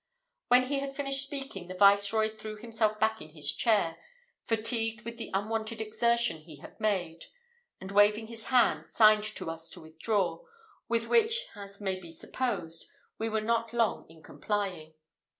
When he had finished speaking, the viceroy threw himself back in his chair, fatigued with the unwonted exertion he had made, and waving his hand, signed to us to withdraw, with which, as may be supposed, we were not long in complying.